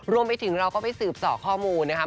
รวมไปถึงเราก็ไปสืบส่อข้อมูลนะครับ